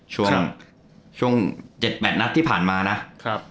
ช่วงช่วงเจ็ดแบบนัดที่ผ่านมานะครับ